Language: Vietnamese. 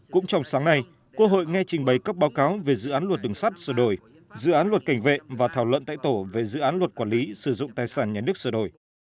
cũng trong sáng nay quốc hội nghe trình bày các báo cáo về dự án luật đường sắt sửa đổi dự án luật cảnh vệ và thảo luận tại tổ về dự án luật quản lý sử dụng tài sản nhà nước sửa đổi